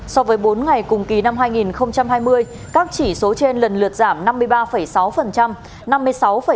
so với bốn ngày cùng kỳ năm hai nghìn hai mươi các chỉ số trên lần lượt giảm năm mươi ba sáu mươi sáu